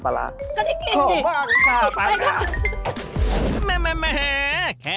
สวัสดีครับ